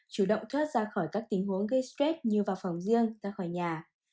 chủ động thoát ra khỏi các tình huống gây stress như vào phòng riêng ra khỏi nhà